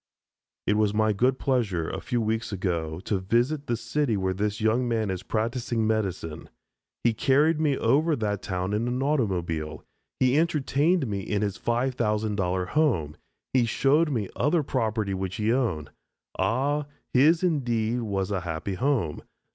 It was my good pleasure, a few weeks ago, to visit the city where this young man is practising medicine. He carried me over that town in an automobile, he entertained me in his $5000 home, he showed me other property which he owned. Ah, his indeed was a happy home.